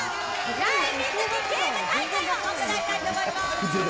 大水着ゲーム大会を行いたいと思います！